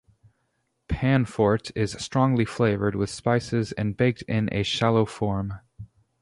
Panforte is strongly flavored with spices and baked in a shallow form.